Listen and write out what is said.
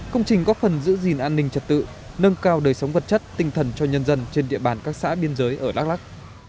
công trình góp phần giữ gìn an ninh trật tự nâng cao đời sống vật chất tinh thần cho nhân dân trên địa bàn các xã biên giới ở đắk lắc